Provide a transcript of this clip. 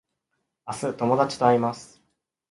明日友達と会います